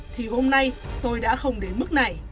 thì hôm nay tôi đã không đến mức này